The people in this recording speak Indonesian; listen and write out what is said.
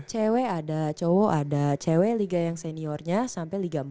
cewek ada cowok ada cewek liga yang seniornya sampai liga empat